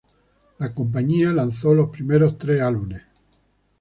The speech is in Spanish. La compañía lanzó los primeros tres álbumes.